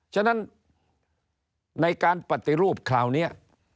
ฉะนั้นในการปฏิรูปคราวนี้